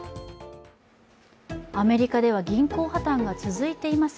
アメリカでは銀行破綻が続いています。